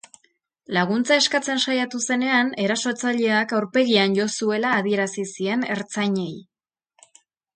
Laguntza eskatzen saiatu zenean, erasotzaileak aurpegian jo zuela adierazi zien ertzainei.